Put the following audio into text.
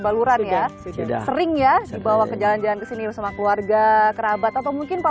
baluran ya sering ya dibawa ke jalan jalan ke sini bersama keluarga kerabat atau mungkin pak